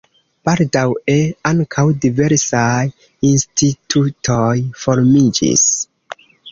Baldaŭe ankaŭ diversaj institutoj formiĝis.